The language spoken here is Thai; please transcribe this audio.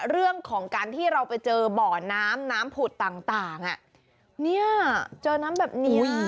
เรื่องของการที่เราไปเจอบ่อน้ำน้ำผุดต่างเนี่ยเจอน้ำแบบนี้